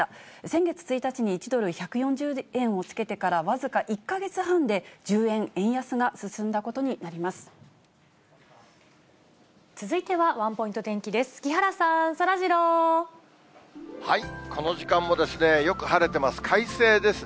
先月１日に、１ドル１４０円をつけてから僅か１か月半で、１０円円安が進んだ続いては、ワンポイント天気です。